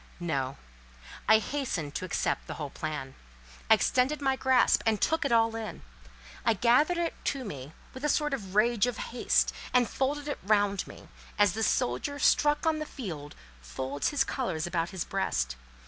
No. I hastened to accept the whole plan. I extended my grasp and took it all in. I gathered it to me with a sort of rage of haste, and folded it round me, as the soldier struck on the field folds his colours about his breast.